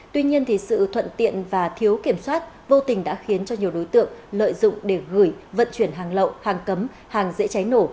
tuy nhiên sự thuận tiện và thiếu kiểm soát vô tình đã khiến cho nhiều đối tượng lợi dụng để gửi vận chuyển hàng lậu hàng cấm hàng dễ cháy nổ